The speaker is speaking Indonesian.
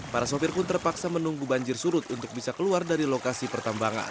para sopir pun terpaksa menunggu banjir surut untuk bisa keluar dari lokasi pertambangan